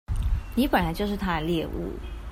你本來就是他的獵物